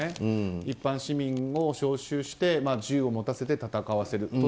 一般市民を招集して銃を持たせて戦わせる。